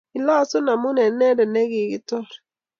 ilasun amun en indendet neikotor